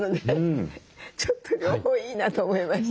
ちょっと両方いいなと思います。